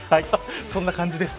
そんな感じです。